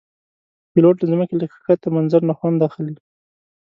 پیلوټ د ځمکې له ښکته منظر نه خوند اخلي.